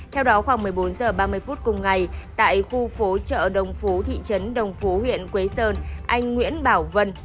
theo đó khoảng một mươi bốn h ba mươi phút cùng ngày tại khu phố chợ đồng phú thị trấn đồng phú huyện quế sơn anh nguyễn bảo vân